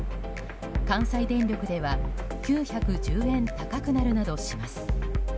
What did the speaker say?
関西電力では９１０円高くなるなどします。